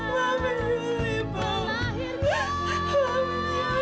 maafkan aku ibu